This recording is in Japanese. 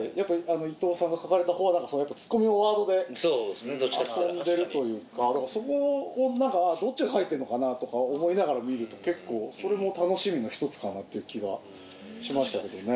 伊藤さんが書かれたほうはツッコミのワードで遊んでるというかだからそこをどっちが書いてるのかなとか思いながら見ると結構それも楽しみの１つかなっていう気がしましたけどね。